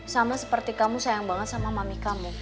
sama seperti kamu sayang banget sama mami kamu